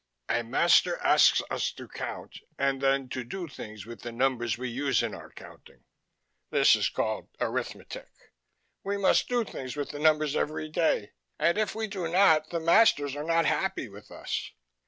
A master asks us to count, and then to do things with the numbers we use in our counting. This is called arithmetic. We must do things with the numbers every day, and if we do not the masters are not happy with us.